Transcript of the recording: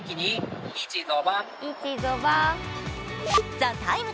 「ＴＨＥＴＩＭＥ，」